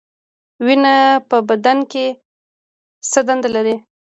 وینه په بدن کې څه دنده لري؟